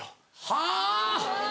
はぁ。